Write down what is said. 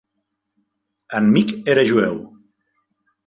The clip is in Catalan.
En Mick era jueu.